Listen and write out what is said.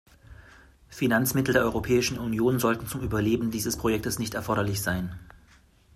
Finanzmittel der Europäischen Union sollten zum Überleben dieses Projekts nicht erforderlich sein.